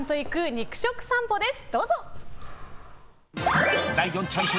肉食さんぽです。